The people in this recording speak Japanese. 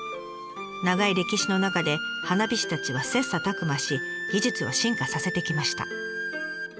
長い歴史の中で花火師たちは切磋琢磨し技術を進化させてきました。